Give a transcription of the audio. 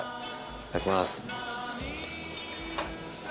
いただきます。